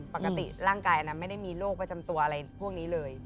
ปกติร่างกายอันนั้นไม่ได้มีโรคประจำตัวอะไรพวกนี้เลย